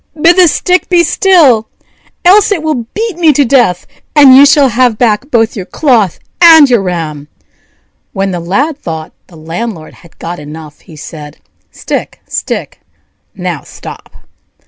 bid the stick be still, else it will beat me to death, and you shall have back both your cloth and your ram." When the Lad thought the landlord had got enough, he said: "Stick, stick! now stop!"